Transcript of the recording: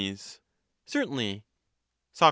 Certainly. Soc.